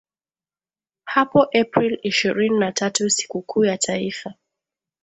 hapo April ishirini na tatu sikukuu ya taifa